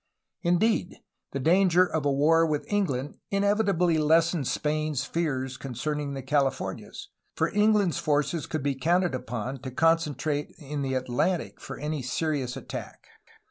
Indeed, the danger of a war with England inevitably lessened Spain's fears concerning the Californias, for England's forces could be counted upon to concentrate in the Atlantic for any serious attack.